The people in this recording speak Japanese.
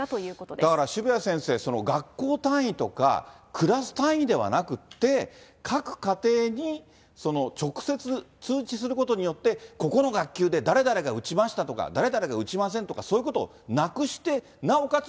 だから渋谷先生、学校単位とか、クラス単位ではなくって、各家庭に直接通知することによって、ここの学級で誰々が打ちましたとか、誰々が打ちませんとか、そういうことをなくして、なおかつ